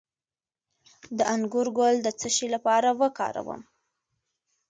د انګور ګل د څه لپاره وکاروم؟